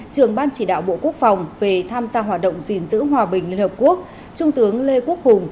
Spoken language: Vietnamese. trường ban chỉ đạo bộ quốc phòng về tham gia hoạt động gìn giữ hòa bình liên hợp quốc trung tướng lê quốc hùng